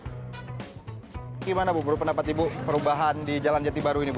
bagaimana bu berapa pendapat perubahan di jalan jatibaru ini bu